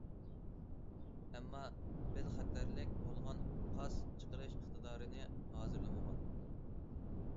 ئەمما بېل خەتەرلىك بولغان پاس چىقىرىش ئىقتىدارىنى ھازىرلىمىغان.